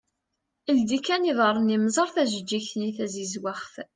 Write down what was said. Ldi kan iḍarren-im ẓer tajeğğigt-nni tazizwaɣt.